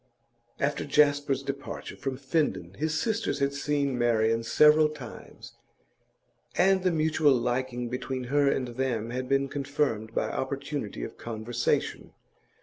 After Jasper's departure from Finden his sisters had seen Marian several times, and the mutual liking between her and them had been confirmed by opportunity of conversation.